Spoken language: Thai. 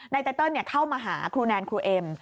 ไตเติลเข้ามาหาครูแนนครูเอ็ม